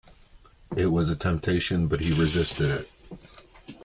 It was a temptation, but he resisted it.